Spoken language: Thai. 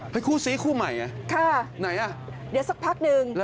คู่ซีคู่ใหม่ไงไหนอ่ะเดี๋ยวสักพักหนึ่ง